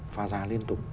pha gia liên tục